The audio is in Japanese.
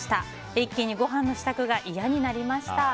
一気にごはんの支度が嫌になりました。